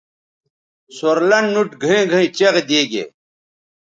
سور لنڈ نُوٹ گھئیں گھئیں چیغ دیگے